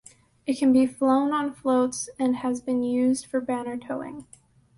It can be flown on floats and has been used for banner towing.